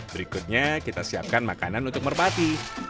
berikutnya kita siapkan makanan untuk merpati